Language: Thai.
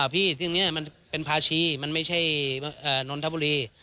เรื่องนี้มันเป็นภาชีมันไม่ใช่นนทบุรี